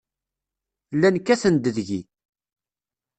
Llan kkaten-d deg-i.